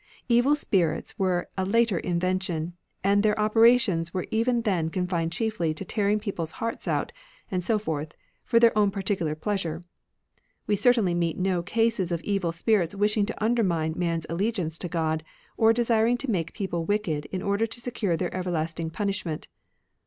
Evil spirits were a later invention, and their operations were even then confined chiefly to tearing people's hearts out, and so forth, for their own particular pleasure ; we certainly meet no cases of evil spirits wishing to undermine man's allegiance to God, or desiring to make people wicked in order to secure their everlasting punishment.